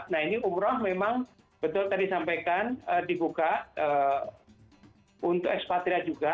nah ini umroh memang betul tadi sampaikan dibuka untuk ekspatria juga